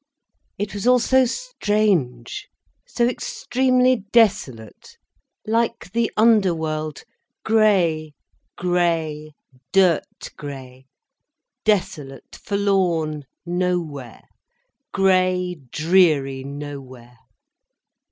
It was all so strange, so extremely desolate, like the underworld, grey, grey, dirt grey, desolate, forlorn, nowhere—grey, dreary nowhere.